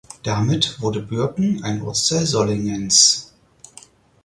Damit wurde Birken ein Ortsteil Solingens.